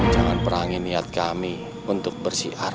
jangan perangi niat kami untuk bersiar